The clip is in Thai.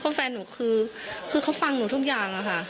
เพราะแฟนหนูคือเขาฟังหนูทุกอย่างอะค่ะ